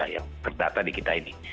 yang terdata di kita ini